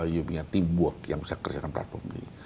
you punya team work yang bisa kerjakan platform ini